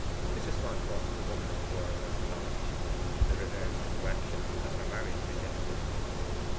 Mrs. Swancourt was a woman of the world as to knowledge, the reverse as to action, as her marriage suggested.